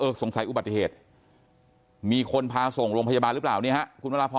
สงสัยอุบัติเหตุมีคนพาส่งโรงพยาบาลหรือเปล่าเนี่ยฮะคุณวราพร